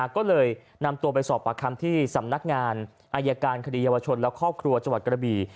ก็เลยนำตัวไปสอบปากคำที่สำนักงานอายการคดีเยาวชนและครอบครัวจังหวัดกระบี่